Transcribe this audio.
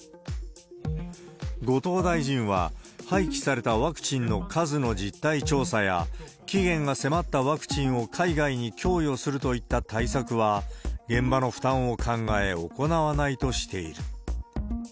後藤大臣は、廃棄されたワクチンの数の実態調査や、期限が迫ったワクチンを海外に供与するといった対策は、現場の負担を考え、行わないとしている。